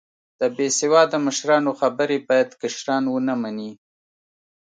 د بیسیواده مشرانو خبرې باید کشران و نه منې